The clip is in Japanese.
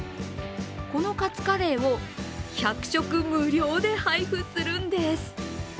このカツカレーを１００食無料で配布するんです。